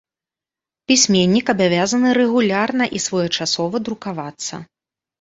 Пісьменнік абавязаны рэгулярна і своечасова друкавацца.